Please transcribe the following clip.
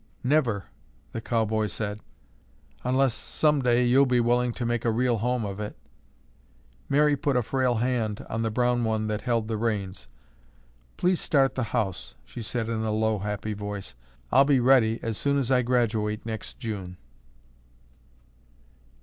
"Never," the cowboy said, "unless someday you'll be willing to make a real home of it." Mary put a frail hand on the brown one that held the reins. "Please start the house," she said in a low happy voice. "I'll be ready as soon as I graduate next June."